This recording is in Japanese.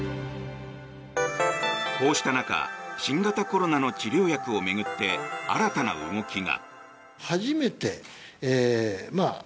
こうした中新型コロナの治療薬を巡って新たな動きが。